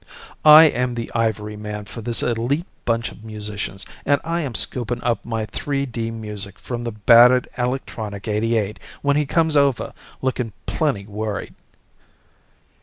I am the ivory man for this elite bunch of musicians, and I am scooping up my three dee music from the battered electronic eighty eight when he comes over looking plenty worried.